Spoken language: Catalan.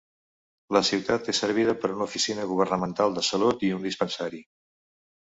La ciutat és servida per una oficina governamental de salut i un dispensari.